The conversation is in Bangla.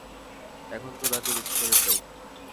এখন তো তাকে বেশি করে চাই।